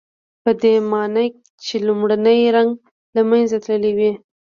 پدې معنی چې لومړنی رنګ له منځه تللی وي.